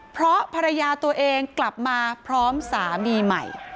เพราะภรรยาตัวเองกลับมาพร้อมสามีใหม่